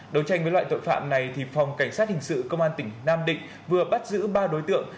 đấu tranh với loại tội phạm này phòng cảnh sát hình sự công an tỉnh nam định vừa bắt giữ ba đối tượng